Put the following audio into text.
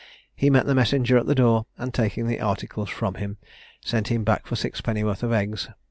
He met the messenger at the door, and taking the articles from him, sent him back for six pennyworth of eggs.